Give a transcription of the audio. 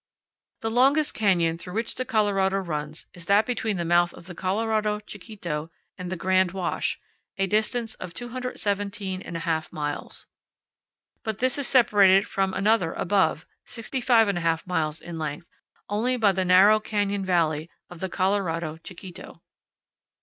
The longest canyon through which the Colorado runs is that between the mouth of the Colorado Chiquito and the Grand Wash, a distance of 217 1/2 miles. But this is separated from another above, 65 1/2 miles in length, only by the narrow canyon valley of the Colorado Chiquito.